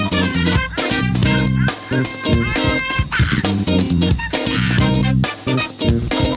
โปรดติดตามตอนต่อไป